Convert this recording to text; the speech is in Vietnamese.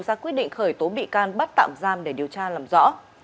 ra quyết định khởi tố bị can bắt tạm giam để điều tra làm rõ